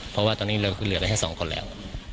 เพราะว่าตอนนี้เราคือเหลือได้แค่๒คนแล้ว